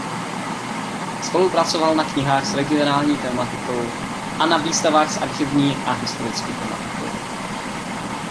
Spolupracoval na knihách s regionální tematikou a na výstavách s archivní a historickou tematikou.